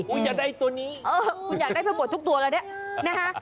คุณอยากได้ตัวนี้คุณอยากได้ไปหมดทุกตัวแล้วเนี่ยนะฮะ